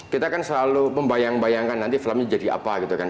kita kan selalu membayang bayangkan nanti filmnya jadi apa gitu kan